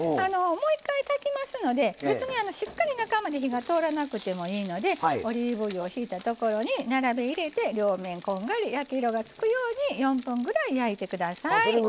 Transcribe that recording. もう一回炊きますので別に、しっかり中まで火が通らなくてもいいのでオリーブオイルを引いたところに並べ入れて両面、焼き色がつくように４分ぐらい焼いてください。